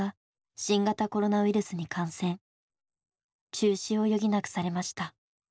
中止を余儀なくされました。